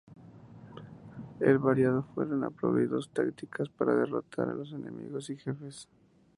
El variado fueron aplaudidos tácticas para derrotar a los enemigos y jefes.